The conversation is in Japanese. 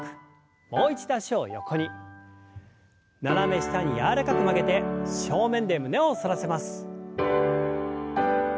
斜め下に柔らかく曲げて正面で胸を反らせます。